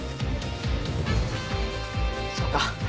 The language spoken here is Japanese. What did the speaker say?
そうか。